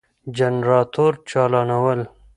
جنراتور چالانول ،